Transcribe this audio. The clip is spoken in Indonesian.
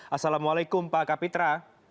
assalamualaikum pak kapitra